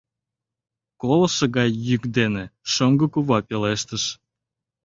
— колышо гай йӱк дене шоҥго кува пелештыш.